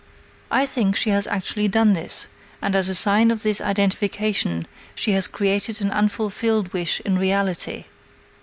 I think she has actually done this, and as a sign of this identification she has created an unfulfilled wish in reality.